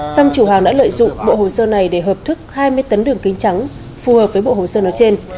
song chủ hàng đã lợi dụng bộ hồ sơ này để hợp thức hai mươi tấn đường kính trắng phù hợp với bộ hồ sơ nói trên